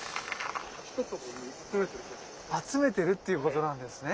集めてるっていうことなんですね。